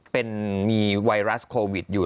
เป็นมีไวรัสโควิดอยู่